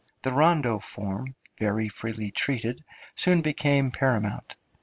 The rondo form, very freely treated, soon became predominant.